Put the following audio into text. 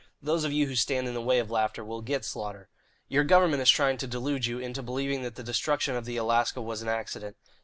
Those of you who stand in the way of laughter will get slaughter. "Your government is trying to delude you into believing that the destruction of the Alaska was an accident.